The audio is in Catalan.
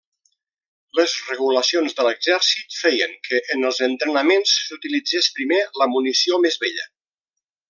Les regulacions de l'exèrcit feien que en els entrenaments s'utilitzés primer la munició més vella.